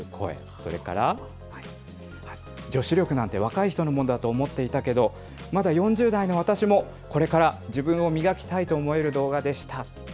それから、女子力なんて若い人のもんだと思っていたけど、まだ４０代の私も、これから自分を磨きたいと思える動画でした。